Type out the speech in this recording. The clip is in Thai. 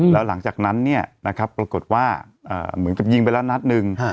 แล้วหลังจากนั้นปรากฏว่าเหมือนกับยิงไปแล้วนัดหนึ่ง